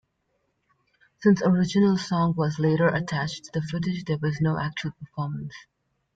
Since, original song was later attached to the footage there was no actual performance.